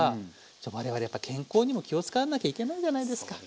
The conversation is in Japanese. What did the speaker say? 我々やっぱ健康にも気を遣わなきゃいけないじゃないですか。